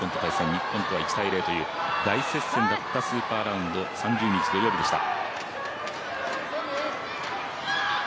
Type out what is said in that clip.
日本とは１−０という大接戦だったスーパーラウンド３０日土曜日でした。